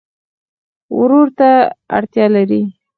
ورور ته تل اړتیا لرې.